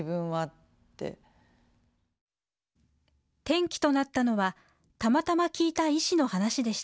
転機となったのはたまたま聞いた医師の話でした。